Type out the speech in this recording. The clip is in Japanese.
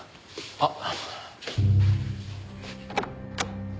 あっ。